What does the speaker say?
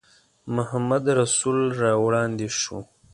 محمدرسول را وړاندې شو.